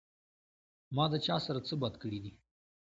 ما د چا سره څۀ بد کړي دي